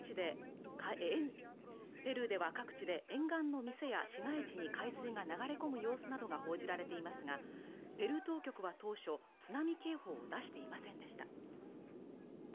ペルーでは各地で沿岸の店や市街地に海水が流れ込む様子などが報じられていますがペルー当局は当初津波警報を出していませんでした